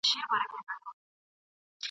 توري زلفي یې په غاړي مر مریني